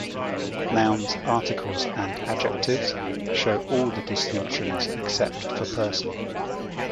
Nouns, articles and adjectives show all the distinctions except for person.